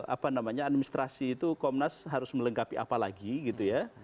apa namanya administrasi itu komnas harus melengkapi apa lagi gitu ya